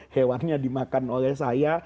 hewannya dimakan oleh saya